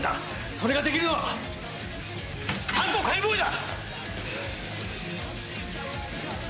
それができるのは担当解剖医だ！